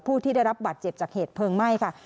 ผู้ที่ได้รับบัตรเจ็บจากเหตุเพลิงไหม้ค่ะ